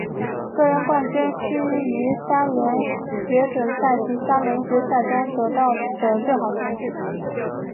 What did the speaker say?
个人冠军需于三轮准决赛及三轮决赛中得到最好的成绩。